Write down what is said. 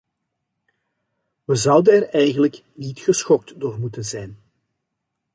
We zouden er eigenlijk niet geschokt door moeten zijn.